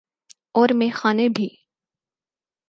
اور میخانے بھی۔